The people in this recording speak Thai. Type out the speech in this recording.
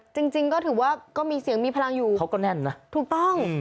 จริงจริงก็ถือว่าก็มีเสียงมีพลังอยู่เขาก็แน่นนะถูกต้อง